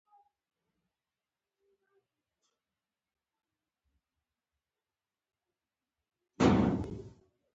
ژړ لمر هم پټ شو.